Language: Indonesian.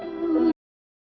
kamu mau lihat